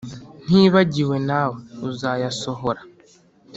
Ntibagiwe nawe uzayasohora